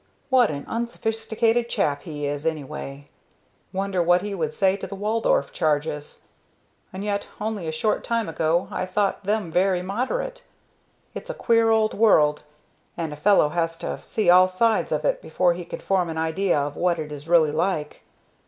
What an unsophisticated chap he is, anyway. Wonder what he would say to the Waldorf charges? And yet only a short time ago I thought them very moderate. It's a queer old world, and a fellow has to see all sides of it before he can form an idea of what it is really like.